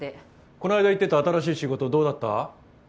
こないだ言ってた新しい仕事どうだった？